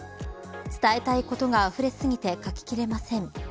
伝えたいことがあふれすぎて書ききれません。